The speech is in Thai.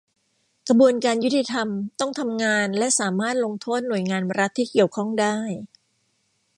กระบวนการยุติธรรมต้องทำงานและสามารถลงโทษหน่วยงานรัฐที่เกี่ยวข้องได้